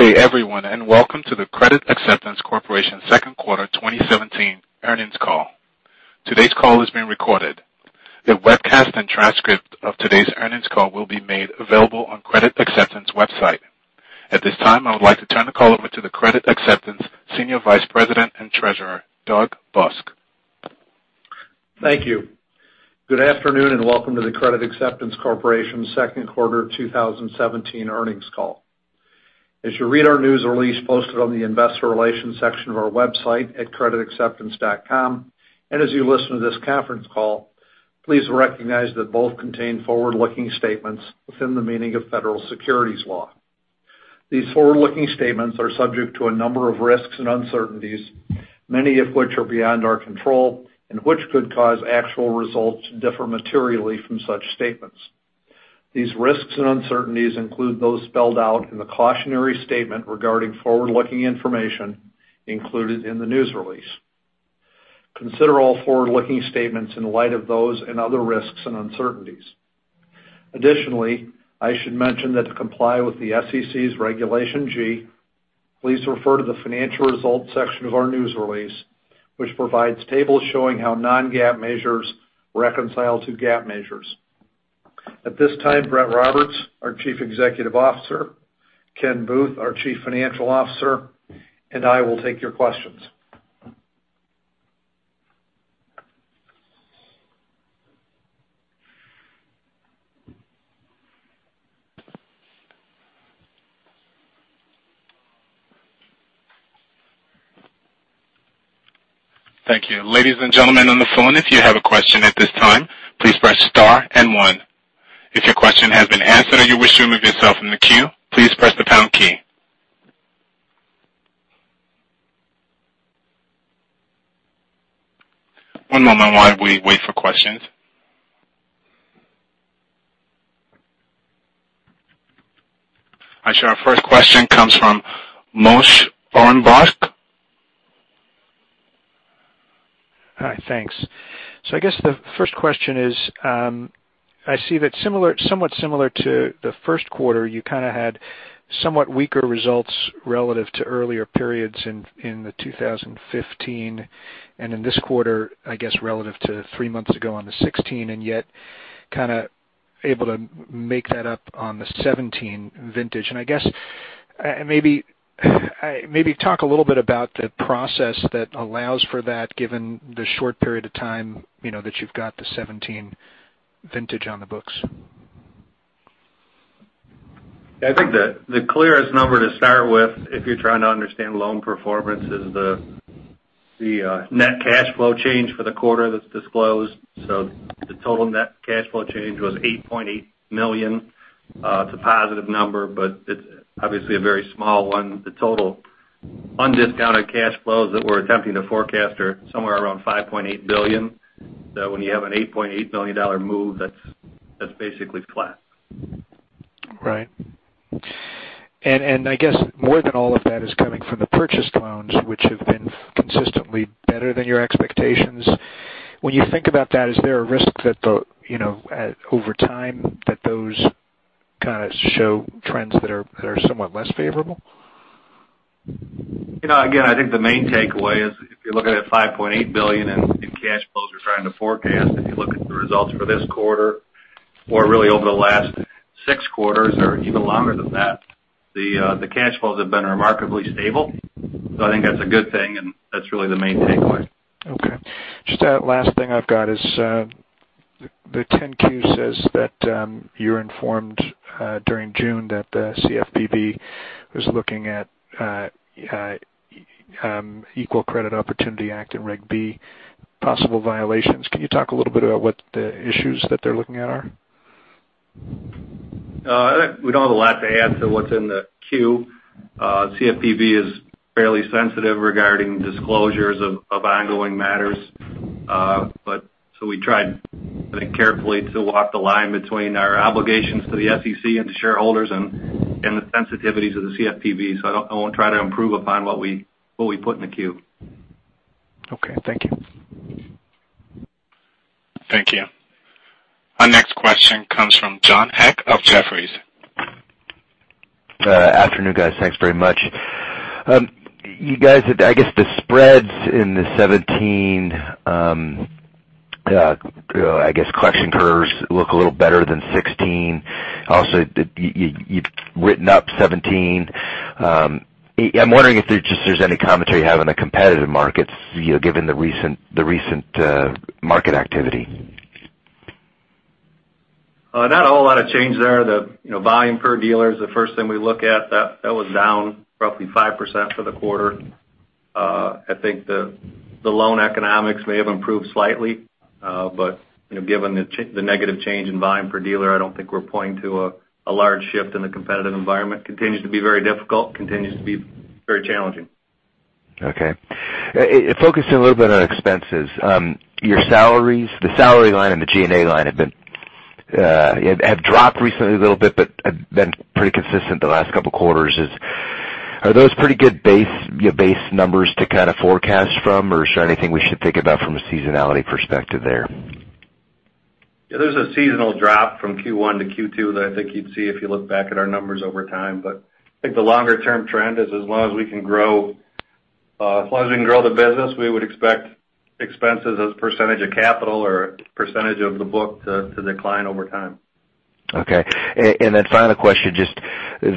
Good day everyone, and welcome to the Credit Acceptance Corporation second quarter 2017 earnings call. Today's call is being recorded. The webcast and transcript of today's earnings call will be made available on Credit Acceptance website. At this time, I would like to turn the call over to the Credit Acceptance Senior Vice President and Treasurer, Doug Busk. Thank you. Good afternoon and welcome to the Credit Acceptance Corporation second quarter 2017 earnings call. As you read our news release posted on the investor relations section of our website at creditacceptance.com, and as you listen to this conference call, please recognize that both contain forward-looking statements within the meaning of Federal Securities law. These forward-looking statements are subject to a number of risks and uncertainties, many of which are beyond our control and which could cause actual results to differ materially from such statements. These risks and uncertainties include those spelled out in the cautionary statement regarding forward-looking information included in the news release. Consider all forward-looking statements in light of those and other risks and uncertainties. Additionally, I should mention that to comply with the SEC's Regulation G, please refer to the financial results section of our news release, which provides tables showing how non-GAAP measures reconcile to GAAP measures. At this time, Brett Roberts, our Chief Executive Officer, Ken Booth, our Chief Financial Officer, and I will take your questions. Thank you. Ladies and gentlemen on the phone, if you have a question at this time, please press star and one. If your question has been answered or you wish to remove yourself from the queue, please press the pound key. One moment while we wait for questions. I show our first question comes from Moshe Orenbuch. Hi, thanks. I guess the first question is, I see that somewhat similar to the first quarter, you kind of had somewhat weaker results relative to earlier periods in 2015. In this quarter, I guess, relative to three months ago on the '16, and yet kind of able to make that up on the '17 vintage. I guess, maybe talk a little bit about the process that allows for that given the short period of time that you've got the '17 vintage on the books. I think the clearest number to start with, if you're trying to understand loan performance, is the net cash flow change for the quarter that's disclosed. The total net cash flow change was $8.8 million. It's a positive number, but it's obviously a very small one. The total undiscounted cash flows that we're attempting to forecast are somewhere around $5.8 billion. When you have an $8.8 million move, that's basically flat. Right. I guess more than all of that is coming from the Purchase Program loans, which have been consistently better than your expectations. When you think about that, is there a risk that over time, that those kind of show trends that are somewhat less favorable? Again, I think the main takeaway is if you're looking at $5.8 billion in cash flows, you're trying to forecast. If you look at the results for this quarter or really over the last six quarters or even longer than that, the cash flows have been remarkably stable. I think that's a good thing, and that's really the main takeaway. Okay. Just last thing I've got is, the 10-Q says that you're informed during June that the CFPB was looking at Equal Credit Opportunity Act and Reg B possible violations. Can you talk a little bit about what the issues that they're looking at are? We don't have a lot to add to what's in the Q. CFPB is fairly sensitive regarding disclosures of ongoing matters. We tried carefully to walk the line between our obligations to the SEC and to shareholders and the sensitivities of the CFPB. I won't try to improve upon what we put in the Q. Okay. Thank you. Thank you. Our next question comes from John Hecht of Jefferies. Afternoon, guys. Thanks very much. You guys, I guess the spreads in the 2017, I guess collection curves look a little better than 2016. Also, you've written up 2017. I'm wondering if there's any commentary you have on the competitive markets, given the recent market activity. Not a whole lot of change there. The volume per dealer is the first thing we look at. That was down roughly 5% for the quarter. I think the loan economics may have improved slightly. Given the negative change in volume per dealer, I don't think we're pointing to a large shift in the competitive environment. Continues to be very difficult, continues to be very challenging. Okay. Focusing a little bit on expenses. Your salaries, the salary line, and the G&A line have dropped recently a little bit but have been pretty consistent the last couple of quarters. Are those pretty good base numbers to kind of forecast from, or is there anything we should think about from a seasonality perspective there? Yeah, there's a seasonal drop from Q1 to Q2 that I think you'd see if you look back at our numbers over time. I think the longer-term trend is as long as we can grow the business, we would expect expenses as % of capital or % of the book to decline over time. Final question, just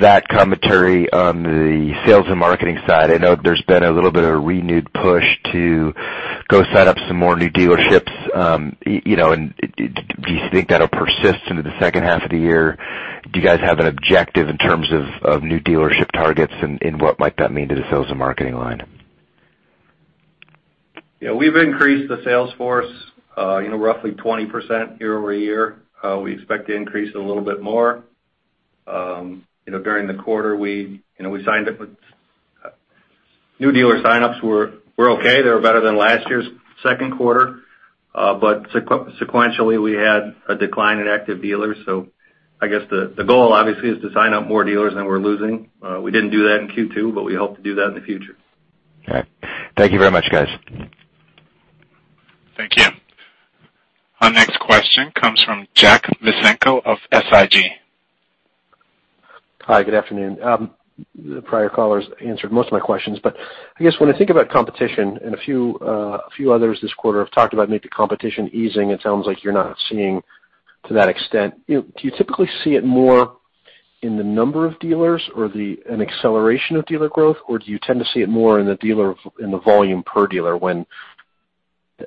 that commentary on the sales and marketing side. I know there's been a little bit of a renewed push to go set up some more new dealerships. Do you think that'll persist into the second half of the year? Do you guys have an objective in terms of new dealership targets, and what might that mean to the sales and marketing line? We've increased the sales force roughly 20% year-over-year. We expect to increase it a little bit more. During the quarter, new dealer signups were okay. They were better than last year's second quarter. Sequentially, we had a decline in active dealers. I guess the goal, obviously, is to sign up more dealers than we're losing. We didn't do that in Q2, but we hope to do that in the future. Thank you very much, guys. Thank you. Our next question comes from Jack Micenko of SIG. Hi, good afternoon. The prior callers answered most of my questions, but I guess when I think about competition, and a few others this quarter have talked about maybe competition easing, it sounds like you're not seeing to that extent. Do you typically see it more in the number of dealers or an acceleration of dealer growth, or do you tend to see it more in the volume per dealer when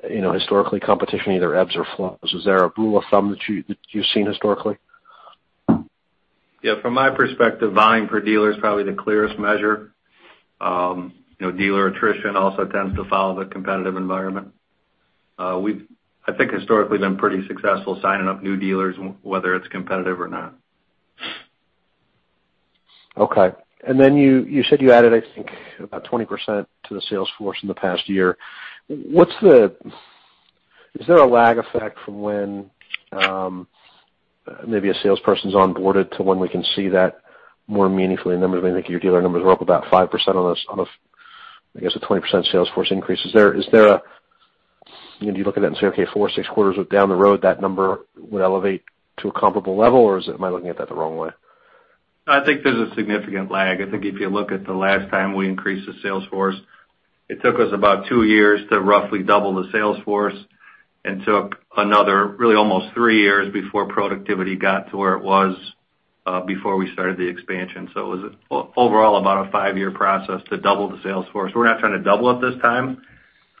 historically competition either ebbs or flows? Is there a rule of thumb that you've seen historically? Yeah, from my perspective, volume per dealer is probably the clearest measure. Dealer attrition also tends to follow the competitive environment. We've, I think, historically, been pretty successful signing up new dealers, whether it's competitive or not. Okay. You said you added, I think, about 20% to the sales force in the past year. Is there a lag effect from when maybe a salesperson's onboarded to when we can see that more meaningfully in numbers? I think your dealer numbers were up about 5% on a, I guess, a 20% sales force increase. Do you look at that and say, okay, four or six quarters down the road, that number would elevate to a comparable level, or am I looking at that the wrong way? No, I think there's a significant lag. I think if you look at the last time we increased the sales force, it took us about two years to roughly double the sales force, and took another really almost three years before productivity got to where it was before we started the expansion. It was overall about a five-year process to double the sales force. We're not trying to double it this time,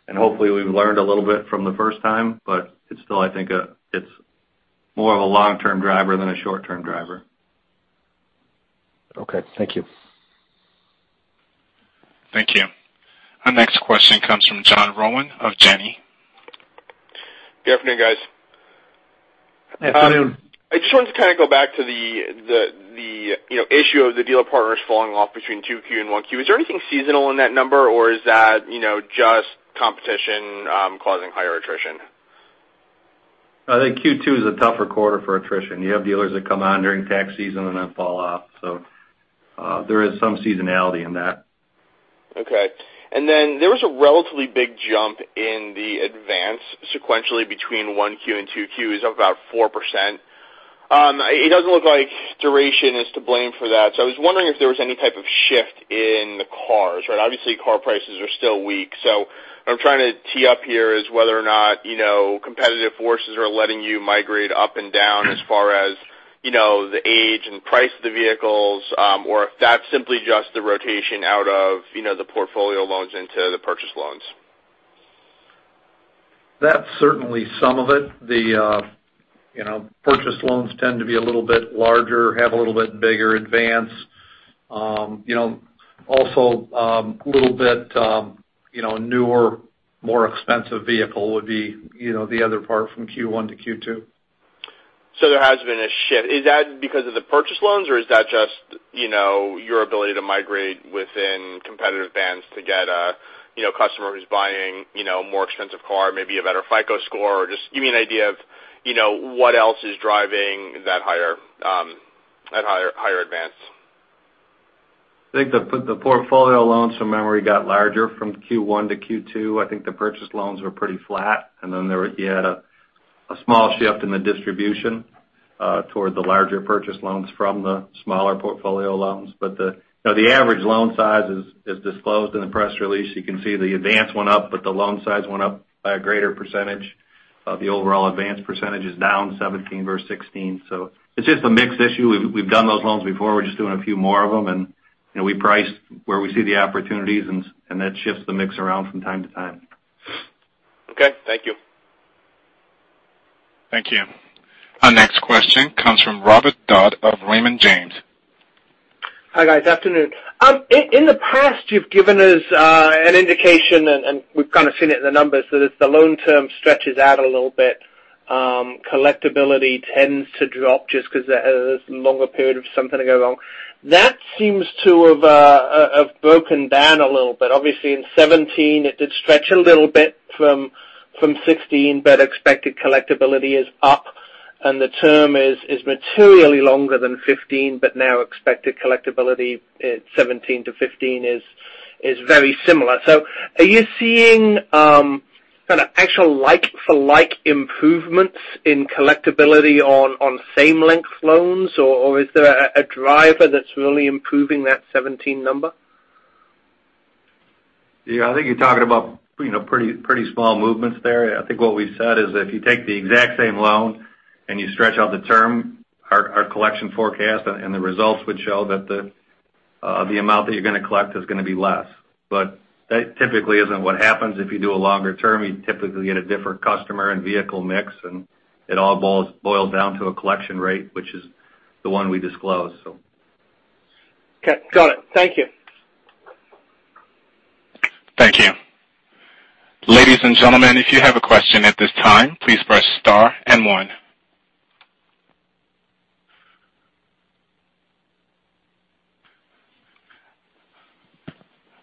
and hopefully we've learned a little bit from the first time, but it's still, I think, more of a long-term driver than a short-term driver. Okay. Thank you. Thank you. Our next question comes from John Rowan of Janney Montgomery Scott. Good afternoon, guys. Afternoon. I just wanted to kind of go back to the issue of the dealer partners falling off between Q2 and Q1. Is there anything seasonal in that number or is that just competition causing higher attrition? I think Q2 is a tougher quarter for attrition. You have dealers that come on during tax season and then fall off. There is some seasonality in that. Okay. There was a relatively big jump in the advance sequentially between Q1 and Q2. It was up about 4%. It doesn't look like duration is to blame for that. I was wondering if there was any type of shift in the cars. Obviously, car prices are still weak. What I'm trying to tee up here is whether or not competitive forces are letting you migrate up and down as far as the age and price of the vehicles, or if that's simply just the rotation out of the Portfolio loans into the Purchase loans. That's certainly some of it. The Purchase loans tend to be a little bit larger, have a little bit bigger advance. Also, little bit newer, more expensive vehicle would be the other part from Q1 to Q2. There has been a shift. Is that because of the Purchase loans or is that just your ability to migrate within competitive bands to get a customer who's buying a more expensive car, maybe a better FICO score? Just give me an idea of what else is driving that higher advance. I think the Portfolio loans from memory got larger from Q1 to Q2. I think the Purchase loans were pretty flat. You had a small shift in the distribution toward the larger Purchase loans from the smaller Portfolio loans. The average loan size is disclosed in the press release. You can see the advance went up, but the loan size went up by a greater percentage. The overall advance percentage is down 17 versus 16. It's just a mix issue. We've done those loans before. We're just doing a few more of them. We price where we see the opportunities, and that shifts the mix around from time to time. Okay. Thank you. Thank you. Our next question comes from Robert Dodd of Raymond James. Hi, guys. Afternoon. In the past, you've given us an indication, and we've kind of seen it in the numbers, that as the loan term stretches out a little bit, collectability tends to drop just because there's a longer period of something to go wrong. That seems to have broken down a little bit. Obviously, in 2017, it did stretch a little bit from 2016, but expected collectability is up, and the term is materially longer than 2015, but now expected collectability 2017 to 2015 is very similar. Are you seeing actual like-for-like improvements in collectibility on same length loans? Or is there a driver that's really improving that 2017 number? Yeah, I think you're talking about pretty small movements there. I think what we've said is if you take the exact same loan and you stretch out the term, our collection forecast and the results would show that the amount that you're going to collect is going to be less. That typically isn't what happens. If you do a longer term, you typically get a different customer and vehicle mix, and it all boils down to a collection rate, which is the one we disclose. Okay. Got it. Thank you. Thank you. Ladies and gentlemen, if you have a question at this time, please press star and one.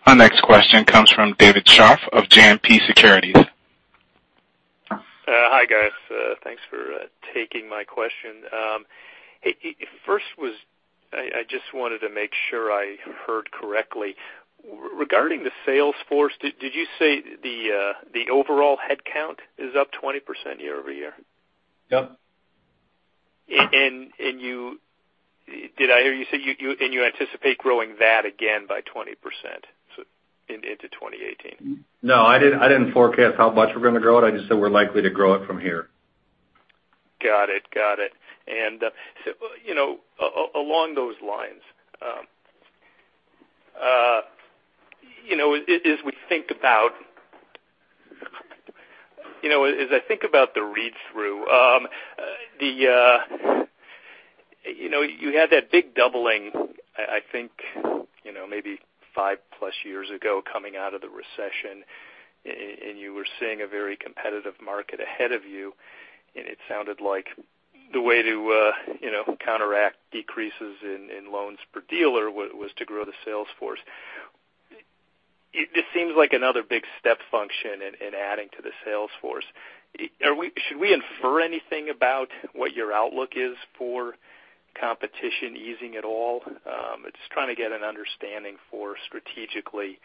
Our next question comes from David Scharf of JMP Securities. Hi, guys. Thanks for taking my question. I just wanted to make sure I heard correctly. Regarding the sales force, did you say the overall head count is up 20% year-over-year? Yep. Did I hear you say, you anticipate growing that again by 20% into 2018? No, I didn't forecast how much we're going to grow it. I just said we're likely to grow it from here. Got it. Along those lines. As I think about the read-through, you had that big doubling, I think maybe five-plus years ago coming out of the recession, you were seeing a very competitive market ahead of you. It sounded like the way to counteract decreases in loans per dealer was to grow the sales force. It seems like another big step function in adding to the sales force. Yeah. Should we infer anything about what your outlook is for competition easing at all? I'm just trying to get an understanding for strategically,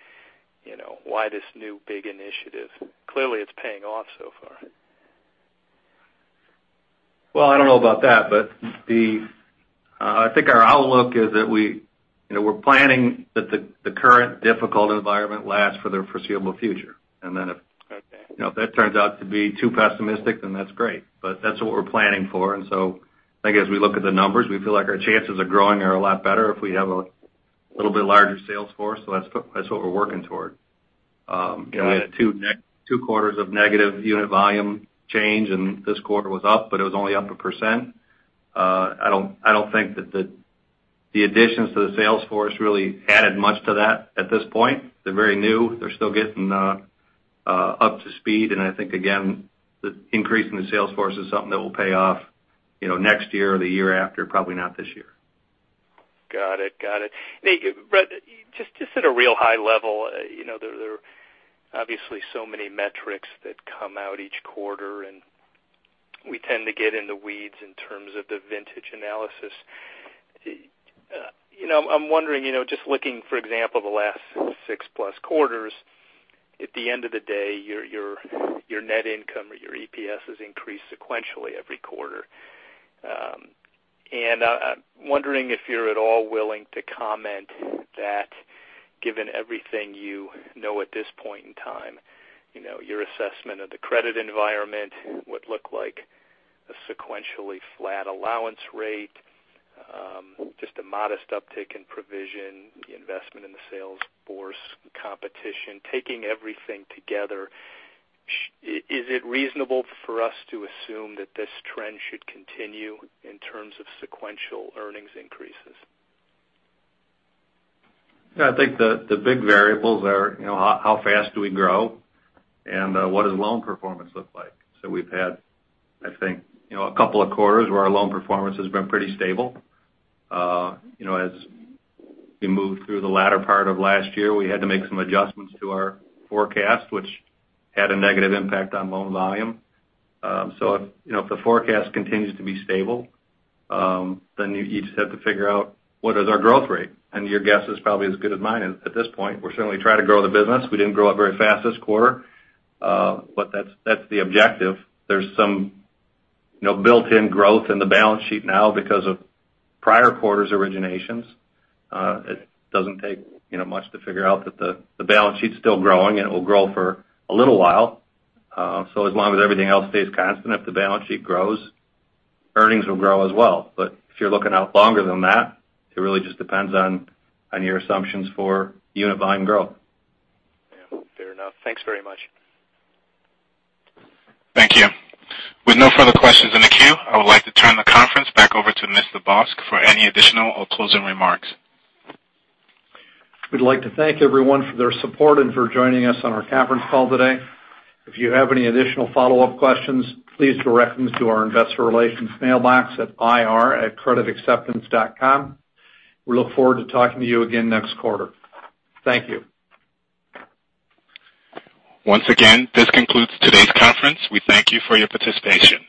why this new big initiative. Clearly it's paying off so far. I don't know about that. I think our outlook is that we're planning that the current difficult environment lasts for the foreseeable future. Okay. If that turns out to be too pessimistic, then that's great. That's what we're planning for. I think as we look at the numbers, we feel like our chances of growing are a lot better if we have a little bit larger sales force. That's what we're working toward. Got it. We had two quarters of negative unit volume change, this quarter was up, but it was only up 1%. I don't think that the additions to the sales force really added much to that at this point. They're very new. They're still getting up to speed. I think, again, the increase in the sales force is something that will pay off next year or the year after, probably not this year. Got it. Brett, just at a real high level, there are obviously so many metrics that come out each quarter, and we tend to get in the weeds in terms of the vintage analysis. I'm wondering, just looking, for example, the last six-plus quarters, at the end of the day, your net income or your EPS increase sequentially every quarter. I'm wondering if you're at all willing to comment that given everything you know at this point in time, your assessment of the credit environment would look like a sequentially flat allowance rate, just a modest uptick in provision, the investment in the sales force, competition. Taking everything together, is it reasonable for us to assume that this trend should continue in terms of sequential earnings increases? I think the big variables are how fast do we grow and what does loan performance look like? We've had, I think, a couple of quarters where our loan performance has been pretty stable. As we moved through the latter part of last year, we had to make some adjustments to our forecast, which had a negative impact on loan volume. If the forecast continues to be stable, then you just have to figure out what is our growth rate, and your guess is probably as good as mine at this point. We're certainly trying to grow the business. We didn't grow it very fast this quarter. That's the objective. There's some built-in growth in the balance sheet now because of prior quarters' originations. It doesn't take much to figure out that the balance sheet's still growing, and it will grow for a little while. As long as everything else stays constant, if the balance sheet grows, earnings will grow as well. If you're looking out longer than that, it really just depends on your assumptions for unit volume growth. Fair enough. Thanks very much. Thank you. With no further questions in the queue, I would like to turn the conference back over to Mr. Busk for any additional or closing remarks. We'd like to thank everyone for their support and for joining us on our conference call today. If you have any additional follow-up questions, please direct them to our investor relations mailbox at ir@creditacceptance.com. We look forward to talking to you again next quarter. Thank you. Once again, this concludes today's conference. We thank you for your participation.